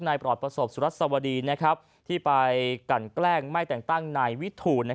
ในปลอดพสบสุฤษฎีที่ไปกลั่นแกล้งแม่แต่งตั้งในวิถู